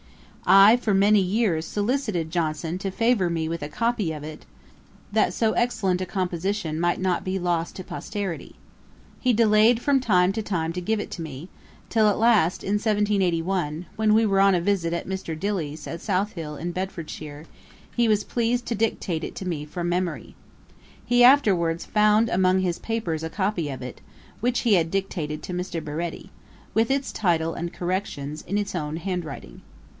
I for many years solicited Johnson to favour me with a copy of it, that so excellent a composition might not be lost to posterity. He delayed from time to time to give it me; till at last in 1781, when we were on a visit at Mr. Dilly's, at Southill in Bedfordshire, he was pleased to dictate it to me from memory. He afterwards found among his papers a copy of it, which he had dictated to Mr. Baretti, with its title and corrections, in his own handwriting.